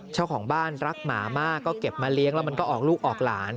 เจ้าของบ้านรักหมามากก็เก็บมาเลี้ยงแล้วมันก็ออกลูกออกหลาน